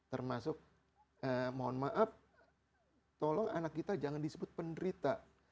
termasuk mohon maaf tolong anak kita jangan disebut penderita